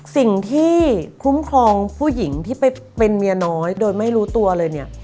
สิ่งที่คุ้มครองผู้หญิงที่ไปเป็นเมียน้อยโดยไม่รู้ตัวเลยเนี่ย